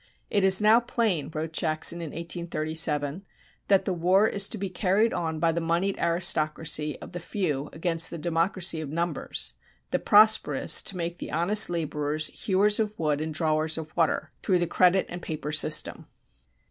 "It is now plain," wrote Jackson in 1837, "that the war is to be carried on by the monied aristocracy of the few against the democracy of numbers; the [prosperous] to make the honest laborers hewers of wood and drawers of water ... through the credit and paper system."